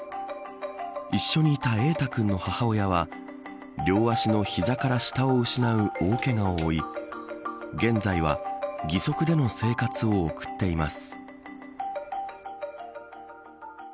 一緒にいた瑛大君の母親は両脚の膝から下を失う大けがを負い現在は、義足での生活を送っています。